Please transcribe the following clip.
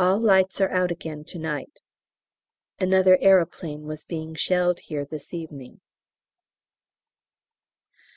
All lights are out again to night. Another aeroplane was being shelled here this evening.